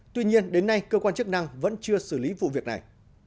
tuy nhiên đến nay cơ quan chức năng vẫn chưa xử lý vụ việc này